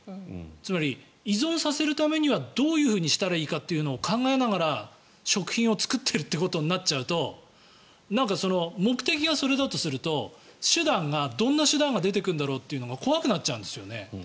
つまり、依存させるためにはどういうふうにしたらいいかというのを考えながら、食品を作ってるということになっちゃうと目的がそれだとすると手段が、どんな手段が出てくるんだろうというのが怖くなっちゃうんです。